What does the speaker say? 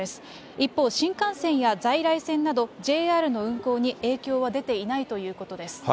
一方、新幹線や在来線など、ＪＲの運行に影響は出ていないということです。